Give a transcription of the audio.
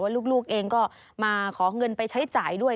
ลูกเองก็มาขอเงินไปใช้จ่ายด้วย